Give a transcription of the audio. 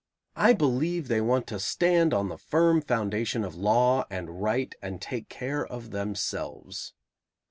I believe they want to stand on the firm foundation of law and right and take care of themselves.